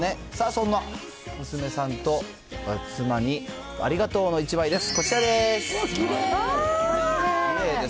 そんな娘さんと妻にありがとうの１枚です。